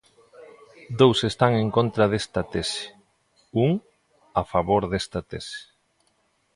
Dous están en contra desta tese; un, a favor desta tese.